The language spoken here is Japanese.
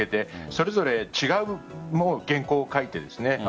それぞれ違う原稿を書いている。